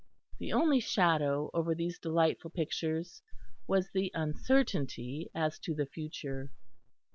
The only shadow over these delightful pictures was the uncertainty as to the future.